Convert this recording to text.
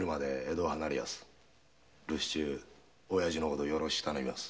留守中おやじのことよろしく頼みます。